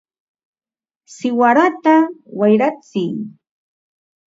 ¡siwarata wayratsiy!